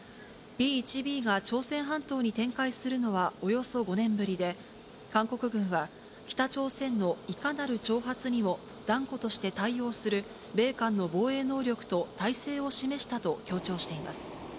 Ｂ１Ｂが朝鮮半島に展開するのはおよそ５年ぶりで、韓国軍は、北朝鮮のいかなる挑発にも断固として対応する米韓の防衛能力と態勢を示したと強調しています。